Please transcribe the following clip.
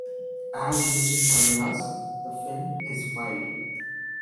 As used in cameras, the film is wide.